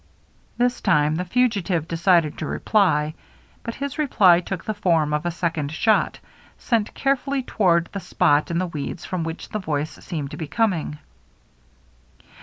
This time the fugitive decided to reply ; but his reply took the form of a second shot, sent carefully toward the spot in the weeds from which the voice seemed to be coming.